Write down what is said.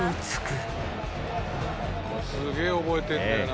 これすげえ覚えてんだよな。